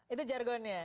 itu jargon ya